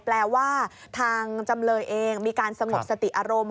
แปลว่าทางจำเลยเองมีการสงบสติอารมณ์